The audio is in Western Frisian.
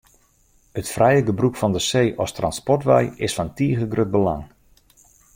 It frije gebrûk fan de see as transportwei is fan tige grut belang.